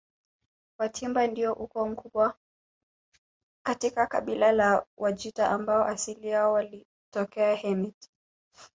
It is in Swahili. Watimba ndio ukoo mkubwa katika kabila la Wajita ambao asili yao walitokea Hemit